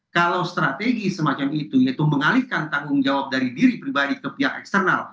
kalau strategi semacam itu yaitu mengalihkan tanggung jawab dari diri pribadi ke pihak eksternal